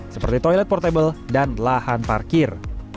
seperti toilet portable dan lahan parkir